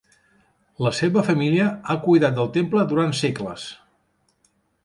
La seva família ha cuidat del temple durant segles.